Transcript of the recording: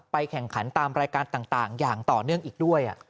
แข่งขันตามรายการต่างอย่างต่อเนื่องอีกด้วย